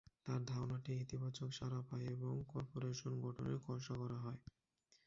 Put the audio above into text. তাঁর ধারণাটি ইতিবাচক সাড়া পায় এবং কর্পোরেশন গঠনের খসড়া করা হয়।